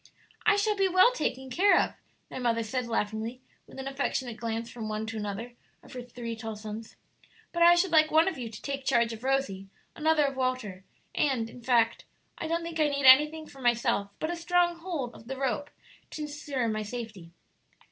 "I shall be well taken care of," their mother said, laughingly, with an affectionate glance from one to another of her three tall sons; "but I should like one of you to take charge of Rosie, another of Walter; and, in fact, I don't think I need anything for myself but a strong hold of the rope to insure my safety."